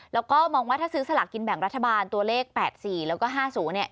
แล้วก็มองว่าถ้าซื้อสลากกินแบ่งรัฐบาลตัวเลข๘๔แล้วก็๕๐เนี่ย